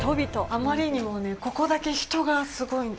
あまりにもね、ここだけ人がすごいの。